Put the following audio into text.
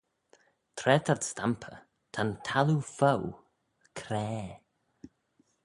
Tra t'ad stampey, ta'n thalloo foue craa.